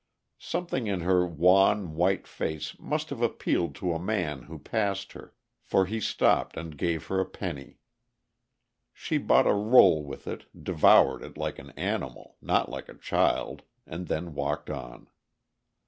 Something in her wan, white face must have appealed to a man who passed her, for he stopped and gave her a penny. She bought a roll with it, devoured it like an animal, not like a child, and then walked on.